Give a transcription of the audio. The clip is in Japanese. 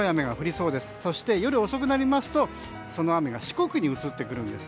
そして、夜遅くなりますとその雨が四国に移ってくるんです。